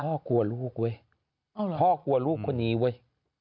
กลัวลูกเว้ยพ่อกลัวลูกคนนี้เว้ย